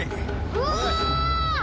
うわ！